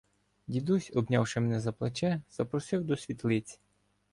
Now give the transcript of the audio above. Дідусь, обнявши мене за плече, запросив до світлиці.